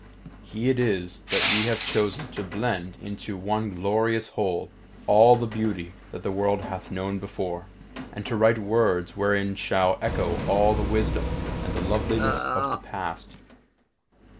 He it is that we have chosen to blend into one glorious whole all the beauty that the world hath known before, and to write words wherein shall echo all the wisdom and the loveliness of the past.